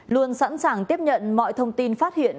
luôn sẵn sàng tiếp nhận mọi thông tin phát hiện